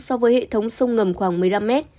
so với hệ thống sông ngầm khoảng một mươi năm mét